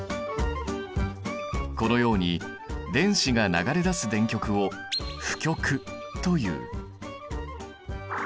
このように電子が流れ出す電極を負極という。